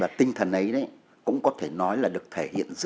và tinh thần ấy đấy cũng có thể nói là được thể hiện ra